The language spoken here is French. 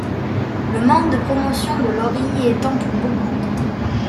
Le manque de promotion de Lorie y étant pour beaucoup.